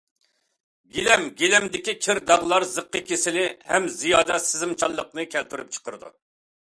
گىلەم گىلەمدىكى كىر، داغلار زىققا كېسىلى ھەم زىيادە سېزىمچانلىقنى كەلتۈرۈپ چىقىرىدۇ.